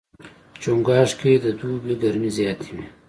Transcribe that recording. چنګاښ کې د دوبي ګرمۍ زیاتې وي.